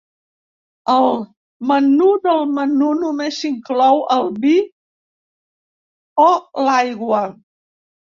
El menú del menú només inclou el vi o l'aigua.